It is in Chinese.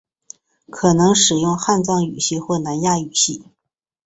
可能使用汉藏语系或南亚语系。